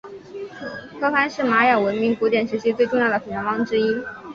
科潘是玛雅文明古典时期最重要的城邦之一。